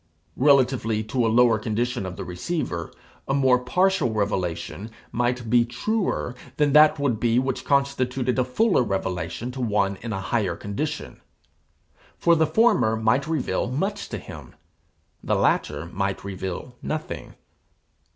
Relatively to a lower condition of the receiver, a more partial revelation might be truer than that would be which constituted a fuller revelation to one in a higher condition; for the former might reveal much to him, the latter might reveal nothing.